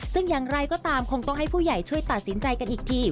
ซึ่งอย่างไรก็ตามคงต้องให้ผู้ใหญ่ช่วยตัดสินใจกันอีกที